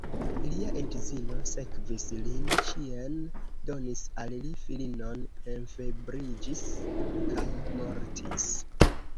Lia edzino sekvis lin ĉien, donis al li filinon, enfebriĝis, kaj mortis.